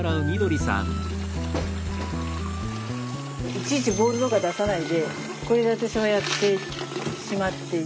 いちいちボウルとか出さないでこれで私はやってしまっていて。